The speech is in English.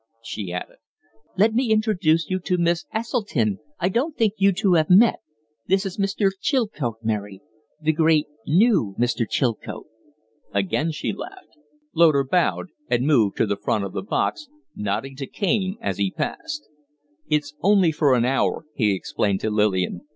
she added. "Let me introduce you to Miss Esseltyn; I don't think you two have met. This is Mr. Chilcote, Mary the great, new Mr. Chilcote." Again she laughed. Loder bowed and moved to the front of the box, nodding to Kaine as he passed. "It's only for an hour," he explained to Lillian.